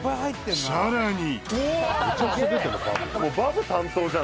さらに。